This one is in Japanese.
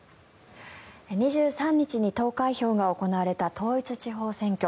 ２３日に投開票が行われた統一地方選挙。